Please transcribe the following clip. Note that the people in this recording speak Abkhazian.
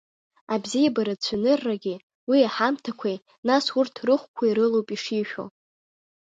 Абзиабаратә цәаныррагьы, уи аҳамҭақәеи, нас урҭ рыхәқәеи рылоуп ишишәо.